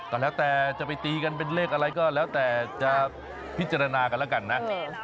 ก็แล้วแต่จะไปตีกันเป็นเลขอะไรก็แล้วแต่จะพิจารณากันแล้วกันนะ